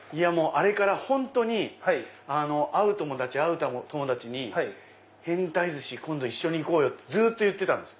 あれから本当に会う友達会う友達に変タイ鮨今度一緒に行こうってずっと言ってたんです。